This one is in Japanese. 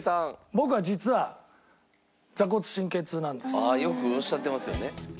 僕は実はよくおっしゃってますよね。